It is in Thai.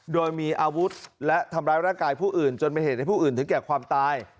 โดยมีอาวุธและทำร้ายร่างกายผู้อื่นจนเป็นเหตุให้ผู้อื่นถึงแก่ความตาย